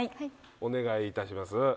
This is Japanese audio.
お願いいたします。